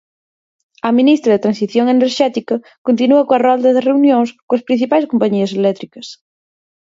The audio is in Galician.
A ministra de Transición Enerxética continúa coa rolda de reunións coas principais compañías eléctricas.